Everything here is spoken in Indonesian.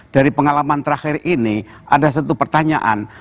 dari pengalaman terakhir ini ada satu pertanyaan